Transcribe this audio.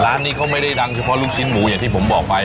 ร้านนี้เขาไม่ได้ดังเฉพาะลูกชิ้นหมูอย่างที่ผมบอกไป